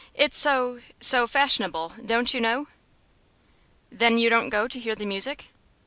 It's so so fashionable, don't you know?" "Then you don't go to hear the music?"